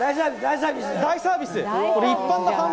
大サービス！